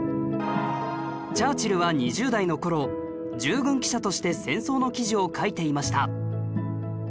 チャーチルは２０代の頃従軍記者として戦争の記事を書いていました